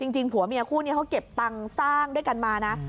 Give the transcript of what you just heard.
จริงผัวเมียคู่นี้เขาเก็บตังค์สร้างด้วยกันมานะ